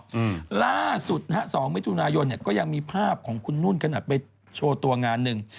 อืมล่าสุดนะฮะสองมิถุนายนเนี้ยก็ยังมีภาพของคุณนุ่นขนาดไปโชว์ตัวงานหนึ่ง